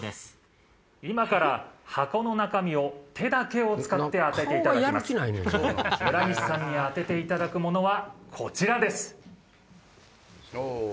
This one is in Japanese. ・今から箱の中身を手だけを使って当てていただきます・・村西さんに当てていただくものはこちらです・